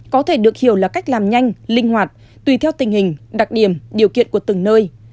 có thể được hiểu là cách làm nhanh linh hoạt tùy theo tình hình đặc điểm điều kiện của từng nơi